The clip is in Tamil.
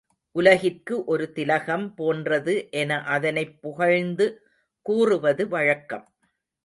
உலகிற்கு ஒரு திலகம் போன்றது என அதனைப் புகழ்ந்து கூறுவது வழக்கம்.